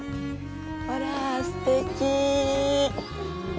ほらぁ、すてき。